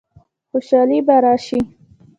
خوشحالي به راشي؟